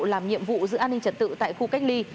làm nhiệm vụ giữ an ninh trật tự tại khu cách ly